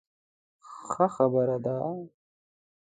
ښه خبره ده.